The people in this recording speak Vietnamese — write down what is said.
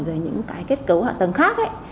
rồi những cái kết cấu hạ tầng khác ấy